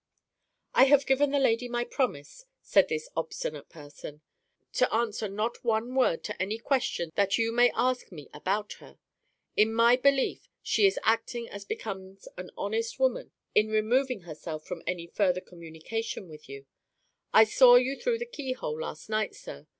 "I have given the lady my promise," said this obstinate person, "to answer not one word to any question that you may ask me about her. In my belief, she is acting as becomes an honest woman in removing herself from any further communication with you. I saw you through the keyhole last night, sir.